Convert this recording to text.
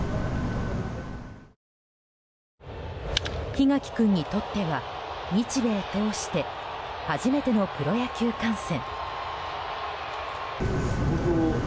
檜垣君にとっては日米通して初めてのプロ野球観戦。